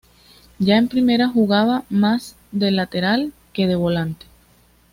Ya en primera jugaba más de lateral que de volante.